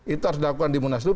itu harus dilakukan di munaslup